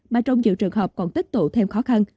mà trong nhiều trường hợp còn tích tụ thêm khó khăn